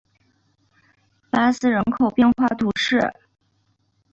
巴斯人口变化图示